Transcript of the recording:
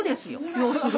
要するに。